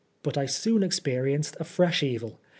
\\\\\ I soon experienced a fresh evil.